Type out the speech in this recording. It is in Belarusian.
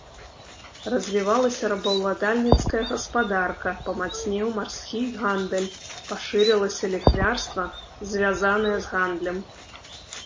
Развівалася рабаўладальніцкая гаспадарка, памацнеў марскі гандаль, пашырылася ліхвярства, звязанае з гандлем.